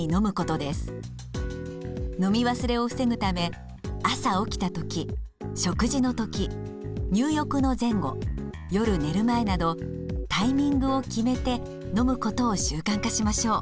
飲み忘れを防ぐため朝起きた時食事の時入浴の前後夜寝る前などタイミングを決めて飲むことを習慣化しましょう。